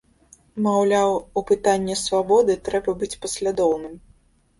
Маўляў, у пытання свабоды трэба быць паслядоўным.